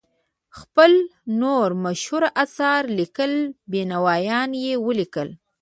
خپل نور مشهور اثار لکه بینوایان یې ولیکل.